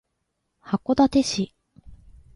函館市